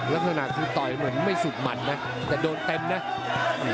ลักษณะคือต่อยเหมือนไม่สุกมันนะแต่โดนเต็มนะ